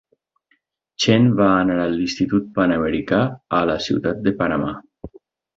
Chen va anar a l"Institut Panamericà a la Ciutat de Panamà.